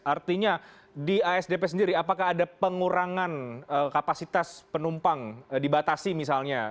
artinya di asdp sendiri apakah ada pengurangan kapasitas penumpang dibatasi misalnya